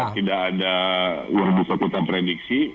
tidak ada uang bisa kita prediksi